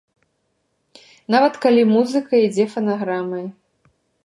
Нават калі музыка ідзе фанаграмай.